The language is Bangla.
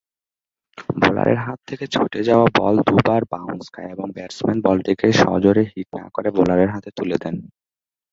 বোলারের হাত থেকে ছুটে যাওয়া বল দু'বার বাউন্স খায় এবং ব্যাটসম্যান বলটিকে সজোরে হিট না করে বোলারের হাতে তুলে দেন।